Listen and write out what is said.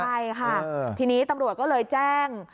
ใช่ค่ะทีนี้ตำรวจก็เลยแจ้ง